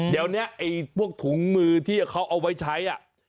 เดี๋ยวนี้ไอ้พวกถุงมือที่เขาเอาไว้ใช้